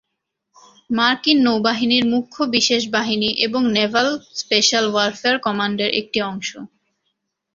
মার্কিন নৌবাহিনীর মুখ্য বিশেষ বাহিনী এবং নেভাল স্পেশাল ওয়ারফেয়ার কমান্ডের একটি অংশ।